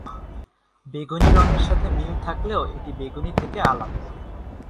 বেগুনী রঙের সাথে মিল থাকলেও এটি বেগুনী থেকে আলাদা।